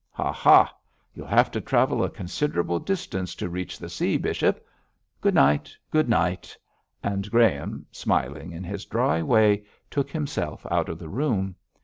'Ha! ha! You'll have to travel a considerable distance to reach the sea, bishop. Good night; good night,' and Graham, smiling in his dry way, took himself out of the room.